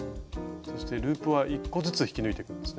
そしてループは１個ずつ引き抜いていくんですね。